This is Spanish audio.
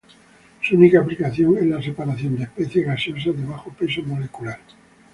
Su única aplicación es la separación de especies gaseosas de bajo peso molecular.